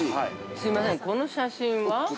◆すみません、この写真は？